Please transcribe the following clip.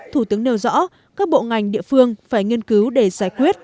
thủ tướng nêu rõ các bộ ngành địa phương phải nghiên cứu để giải quyết